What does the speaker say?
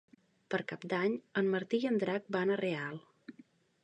Per Cap d'Any en Martí i en Drac van a Real.